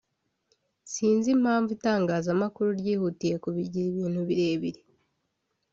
sinzi impamvu itangazamakuru ryihutiye kubigira ibintu birebire